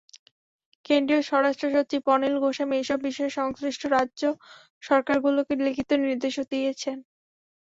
কেন্দ্রীয় স্বরাষ্ট্রসচিব অনিল গোস্বামী এসব বিষয়ে সংশ্লিষ্ট রাজ্য সরকারগুলোকে লিখিত নির্দেশও দিয়েছেন।